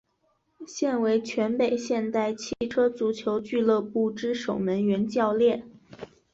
现为全北现代汽车足球俱乐部之守门员教练。